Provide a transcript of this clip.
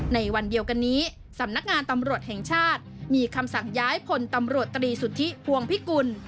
ในวันเดียวกันนี้สำนักงานตำรวจแห่งชาติมีคำสั่งย้ายพลตำรวจตรีสุทธิพวงพิกุล